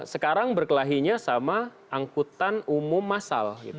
sekarang berkelahinya sama angkutan umum masal